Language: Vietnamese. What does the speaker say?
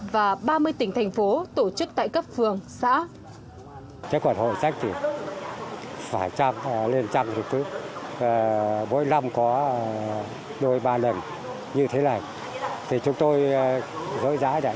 và ba mươi tỉnh thành phố